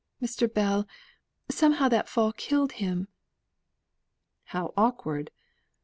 Mr. Bell, somehow that fall killed him!" "How awkward.